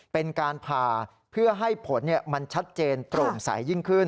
เป็นการผ่าเพื่อให้ผลมันชัดเจนโปร่งใสยิ่งขึ้น